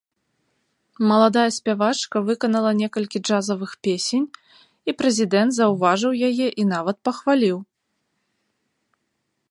Маладая спявачка выканала некалькі джазавых песень, і прэзідэнт заўважыў яе і нават пахваліў.